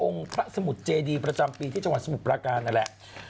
พระสมุทรเจดีประจำปีที่จังหวัดสมุทรปราการนั่นแหละ